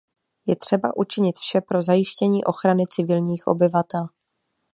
Je třeba učinit vše pro zajištění ochrany civilních obyvatel.